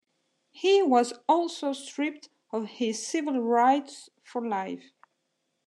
He was also stripped of his civil rights for life.